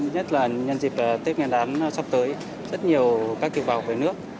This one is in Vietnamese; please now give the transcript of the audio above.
nhất là nhân dịp tết nguyên đán sắp tới rất nhiều các cửa vào về nước